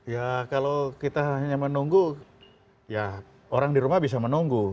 ya kalau kita hanya menunggu ya orang di rumah bisa menunggu